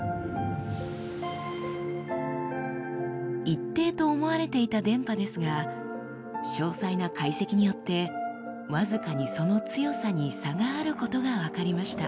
一定と思われていた電波ですが詳細な解析によって僅かにその強さに差があることが分かりました。